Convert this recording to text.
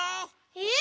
え？